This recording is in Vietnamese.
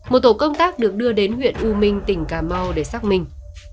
một tổ công tác được đưa đến huyện u minh tỉnh cà mau để xác minh